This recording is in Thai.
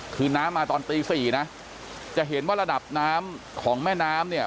คือน้ำมาตอนตีสี่นะจะเห็นว่าระดับน้ำของแม่น้ำเนี่ย